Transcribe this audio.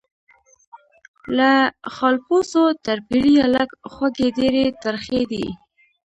له خالپوڅو تر پیریه لږ خوږې ډیري ترخې دي